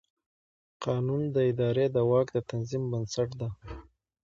قانون د ادارې د واک د تنظیم بنسټ دی.